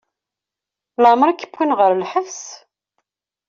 Leɛmeṛ i k-wwin ɣer lḥebs?